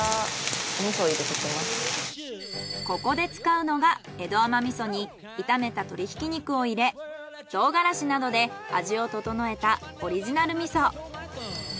ここで使うのが江戸甘味噌に炒めた鶏ひき肉を入れ唐辛子などで味を調えたオリジナル味噌。